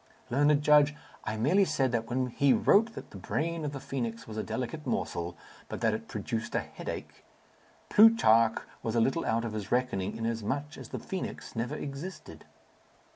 "Learned judge, I merely said that when he wrote that the brain of the phoenix was a delicate morsel, but that it produced headache, Plutarch was a little out of his reckoning, inasmuch as the phoenix never existed."